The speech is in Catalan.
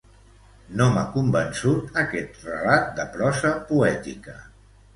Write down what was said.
No m'ha convençut aquest relat de prosa poètica.